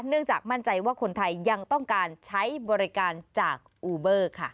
เนื่องจากมั่นใจว่าคนไทยยังต้องการใช้บริการจากอูเบอร์ค่ะ